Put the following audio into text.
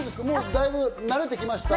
だいぶ慣れてきました？